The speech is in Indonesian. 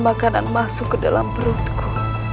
makanan masuk ke dalam perutku